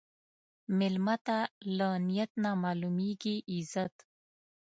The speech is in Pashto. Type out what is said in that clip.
مېلمه ته له نیت نه معلومېږي عزت.